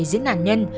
giữa nạn nhân